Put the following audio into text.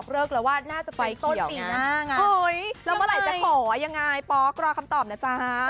ลุ้นจนเหนื่อยลุ้นจนกล้ามขึ้นเลย